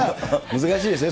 難しいですね。